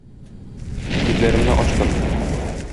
Күзләремне ачтым.